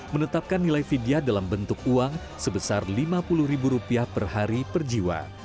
menetapkan nilai vidya dalam bentuk uang sebesar rp lima puluh per hari per jiwa